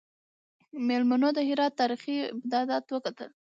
میلمنو د هرات تاریخي ابدات وکتل.